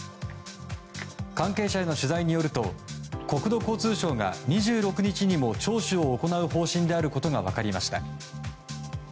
関係者への取材によると国土交通省が２６日にも聴取を行う方針であることが分かりました。